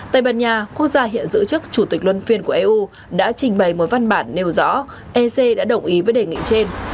tây ban nha quốc gia hiện giữ chức chủ tịch luân phiên của eu đã trình bày một văn bản nêu rõ ec đã đồng ý với đề nghị trên